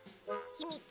ひみつ？